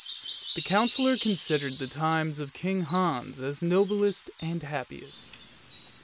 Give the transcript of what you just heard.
The Councillor con sidered the times of King Hans x as the noblest and happiest.